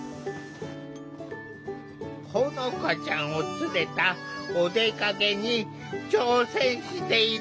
ほのかちゃんを連れたお出かけに挑戦している。